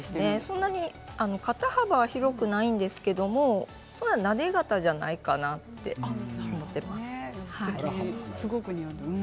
そんなに肩幅が広くないんですけどなで肩じゃないかなってすごく似合っています。